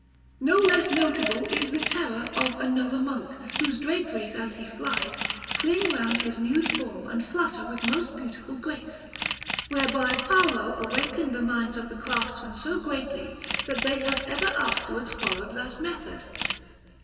No less notable is the terror of another monk, whose draperies, as he flies, cling round his nude form and flutter with most beautiful grace; whereby Paolo awakened the minds of the craftsmen so greatly, that they have ever afterwards followed that method.